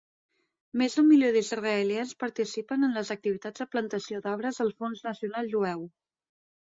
Més d'un milió d'Israelians participen en les activitats de plantació d'arbres del Fons Nacional Jueu.